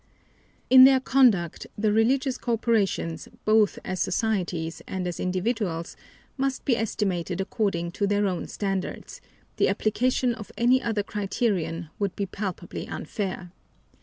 In their conduct the religious corporations, both as societies and as individuals, must be estimated according to their own standards the application of any other criterion would be palpably unfair.